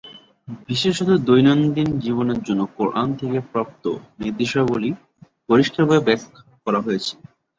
বিশেষত দৈনন্দিন জীবনের জন্য কুরআন থেকে প্রাপ্ত নির্দেশাবলী পরিষ্কারভাবে ব্যাখ্যা করা হয়েছে।